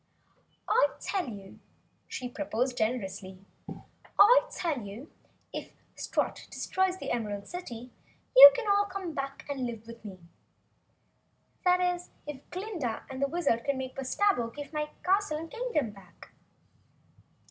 "I tell you," she proposed generously. "I tell you if Strut destroys the Emerald City you all can come back and live with me. That is if Glinda and the Wizard can make Bustabo give my castle and Kingdom back?"